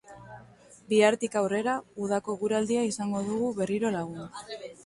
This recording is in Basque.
Bihartik aurrera, udako eguraldia izango dugu berriro lagun.